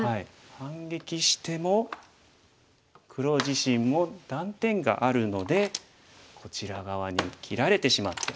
反撃しても黒自身も断点があるのでこちら側に切られてしまって。